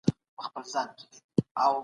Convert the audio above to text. دا ډېر لنډ دئ.